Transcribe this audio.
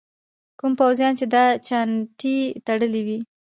کوم پوځیان چې دا چانټې تړلي وو.